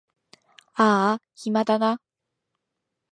あーあ暇だな